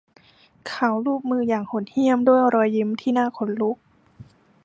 เขาลูบมืออย่างโหดเหี้ยมด้วยรอยยิ้มที่น่าขนลุก